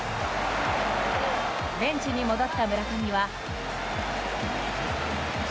ベンチに戻った村上は。